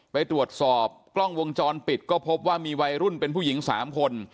ไปตรวจสอบกล้องวงจรปิดก็พบว่ามีวัยรุ่นเป็นผู้หญิง๓คน